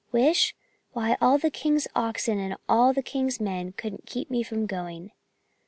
"Wish? Why, all the king's oxen and all the king's men couldn't keep me from going."